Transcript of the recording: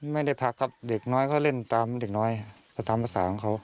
ไม่ได้พักครับเด็กน้อยเขาเล่นตามเด็กน้อยก็ตามภาษาของเขา